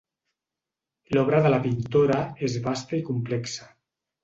L'obra de la pintora és vasta i complexa.